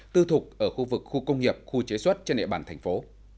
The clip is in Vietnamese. tư thục ở khu vực khu công nghiệp khu chế xuất trên địa bàn thành phố